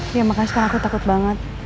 ya makasih kan aku takut banget